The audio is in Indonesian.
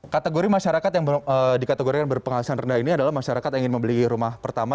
kategori masyarakat yang dikategorikan berpenghasilan rendah ini adalah masyarakat yang ingin membeli rumah pertama